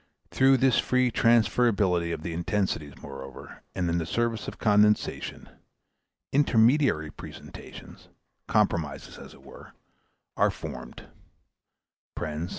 Through this free transferability of the intensities, moreover, and in the service of condensation, intermediary presentations compromises, as it were are formed (_cf.